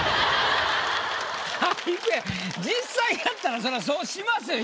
実際やったらそらそうしますよ